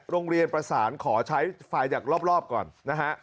โรงเรียนประสานขอใช้ไฟจากรอบก่อนนะฮะ